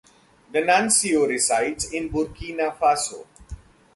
The nuncio resides in Burkina Faso.